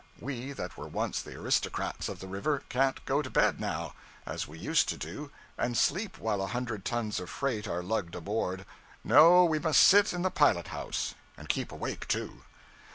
We, that were once the aristocrats of the river, can't go to bed now, as we used to do, and sleep while a hundred tons of freight are lugged aboard; no, we must sit in the pilot house; and keep awake, too.